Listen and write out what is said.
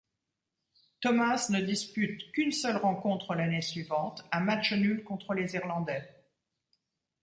Thomas ne dispute qu'une seule rencontre l'année suivante, un match nul contre les Irlandais.